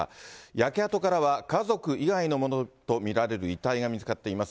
焼け跡からは家族以外のものと見られる遺体が見つかっています。